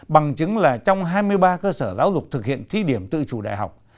bằng chứng là trong hai mươi ba cơ sở giáo dục thực hiện thí điểm tự chủ đại học